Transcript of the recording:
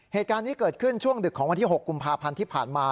เหตุการณ์นี้เกิดขึ้นช่วงดึกของวันที่๖กุมภาพันธ์ที่ผ่านมา